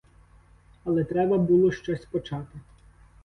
Але треба було щось почати.